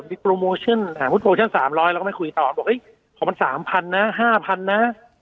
มีโปรโมชั่น๓๐๐เราก็ไม่คุยต่อขอมัน๓๐๐๐นะ๕๐๐๐นะ